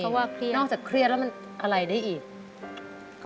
เพราะว่าเครียดนอกจากเครียดแล้วมันอะไรได้อีก